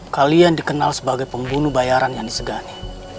kalian dikenal sebagai pembunuh bayaran yang disegani